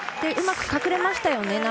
うまく隠れましたよね。